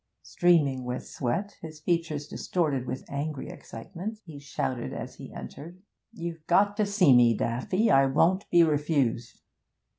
Streaming with sweat, his features distorted with angry excitement, he shouted as he entered, 'You've got to see me, Daffy; I won't be refused!'